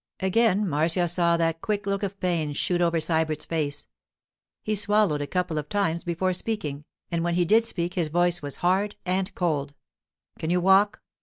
Again Marcia saw that quick look of pain shoot over Sybert's face; he swallowed a couple of times before speaking, and when he did speak his voice was hard and cold. 'Can you walk?